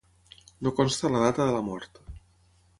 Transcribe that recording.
No consta la data de la mort.